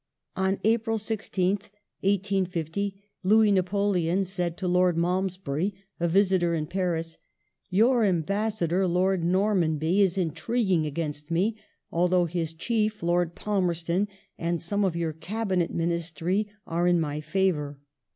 On April 16th, 1850, Louis Napoleon said to Lord Malmesbury, a visitor in Paris :" Your Ambassador, Lord Nor manby, is intriguing against me, although his Chief, Lord Palmei ston, and some of your Cabinet Ministry are in my favour.